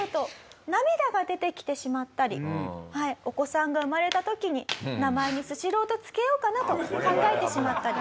お子さんが生まれた時に名前にスシローと付けようかなと考えてしまったり。